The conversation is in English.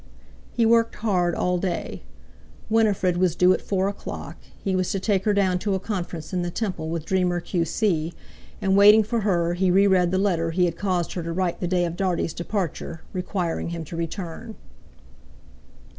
He worked hard all day. Winifred was due at four o'clock; he was to take her down to a conference in the Temple with Dreamer Q.C., and waiting for her he re read the letter he had caused her to write the day of Dartie's departure, requiring him to return.